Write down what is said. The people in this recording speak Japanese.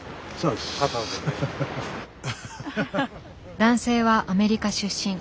男性はアメリカ出身。